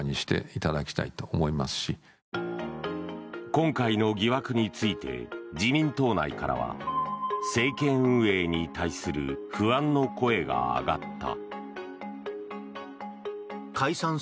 今回の疑惑について自民党内からは政権運営に対する不安の声が上がった。